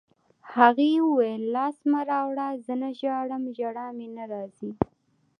هغې وویل: لاس مه راوړه، زه نه ژاړم، ژړا مې نه راځي.